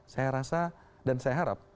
saya rasa dan saya harap